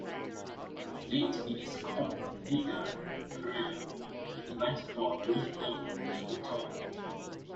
Late in his Kongsvinger career, he went for a brief loan to Luton.